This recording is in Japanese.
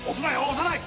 押さない！